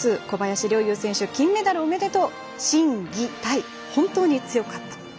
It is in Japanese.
小林陵侑選手金メダルおめでとう、心技体本当に強かった。